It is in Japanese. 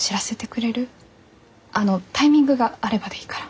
あのタイミングがあればでいいから。